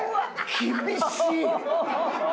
厳しい。